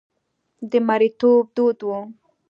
د مریتوب دود و.